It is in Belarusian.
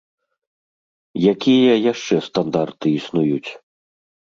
Якія яшчэ стандарты існуюць?